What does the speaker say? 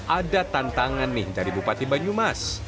ada tantangan nih dari bupati banyumas